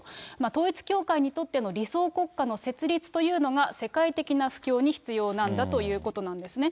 統一教会にとっての理想国家の設立というのが、世界的な布教に必要なんだということなんですね。